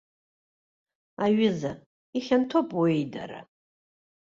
Аҩыза, ихьанҭоуп уеидара.